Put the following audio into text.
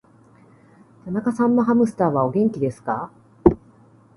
田中さんのハムスターは、お元気ですか。